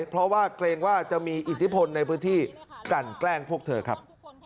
เพราะว่าเกรงว่าจะมีอิทธิพลในพื้นที่กันแกล้งพวกเธอครับ